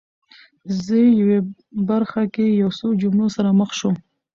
زه یوې برخه کې یو څو جملو سره مخ شوم